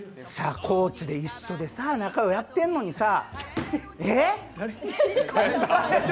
高知で一緒に仲ようやってんのにさー。